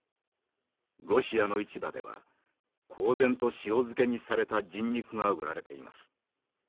ロシアの市場では公然と塩漬けにされた人肉が売られています。